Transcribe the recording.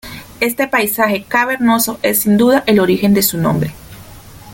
Este paisaje cavernoso es sin duda el origen de su nombre.